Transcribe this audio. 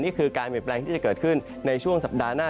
นี่คือการเปลี่ยนแปลงที่จะเกิดขึ้นในช่วงสัปดาห์หน้า